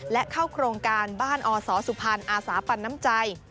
และเข้าโครงการบ้านอศสุพรรณอาสาปันน้ำใจ